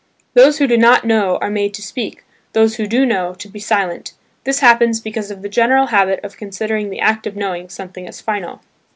Those who do not know are made to speak, those who do know to be silent. This happens because of the general habit of considering the act of knowing something as final.